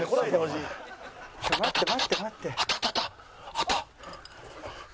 あった！